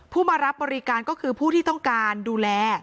มารับบริการก็คือผู้ที่ต้องการดูแล